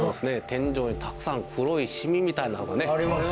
天井にたくさん黒いシミみたいなのがね。